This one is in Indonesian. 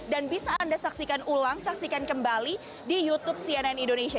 dan bisa anda saksikan ulang saksikan kembali di youtube cnn indonesia